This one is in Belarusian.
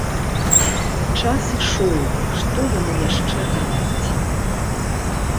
Час ішоў, што яму яшчэ рабіць.